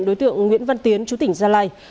đối tượng nguyễn văn tiến chú tỉnh gia lai